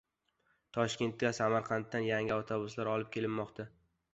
Toshkentga Samarqanddan yangi avtobuslar olib kelinmoqda